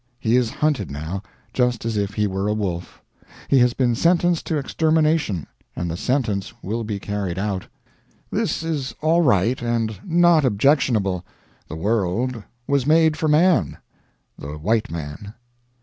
He is hunted, now, just as if he were a wolf. He has been sentenced to extermination, and the sentence will be carried out. This is all right, and not objectionable. The world was made for man the white man.